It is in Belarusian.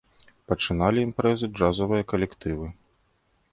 Пачыналі імпрэзы джазавыя калектывы.